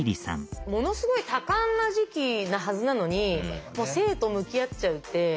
ものすごい多感な時期なはずなのにもう生と向き合っちゃうって。